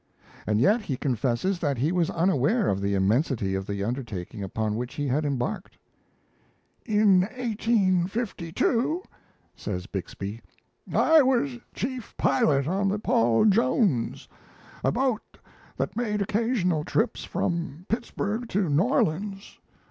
And yet he confesses that he was unaware of the immensity of the undertaking upon which he had embarked. "In 1852," says Bixby, "I was chief pilot on the 'Paul Jones', a boat that made occasional trips from Pittsburg to New Orleans.